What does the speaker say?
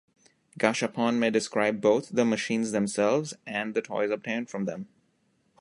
Gashapon may describe both the machines themselves and the toys obtained from them.